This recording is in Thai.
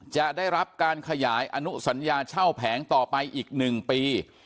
จะได้รับการขยายอนุสัญญาเช่าแผงต่อไปอีก๑ปี